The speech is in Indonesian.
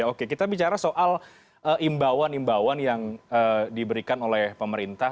oke kita bicara soal imbauan imbauan yang diberikan oleh pemerintah